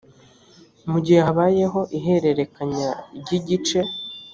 mu gihe habayeho ihererekanya ry igice